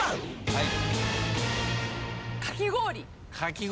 はい。